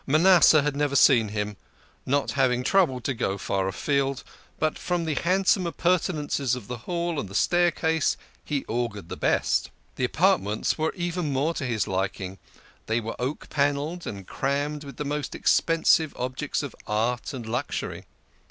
Manasseh had never seen him, not having troubled to go so far afield, but from the handsome appurtenances of the hall and the stair case he augured the best. The apartments were even more 142 THE KING OF SCHNORRERS. to his liking ; they were oak panelled, and crammed with the most expensive objects of art and luxury.